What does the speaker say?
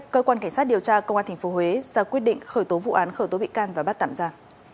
cơ quan cảnh sát điều tra công an tp huế ra quyết định khởi tố vụ án khởi tố bị can và bắt tạm ra